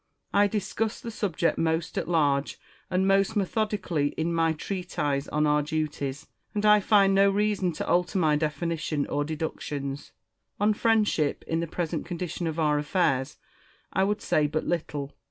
I discussed the subject most at large and most methodically in my treatise on our Duties, and I find no reason to alter my definition or deductions. On friendship, in the present condition of our aflfairs, I would say but little.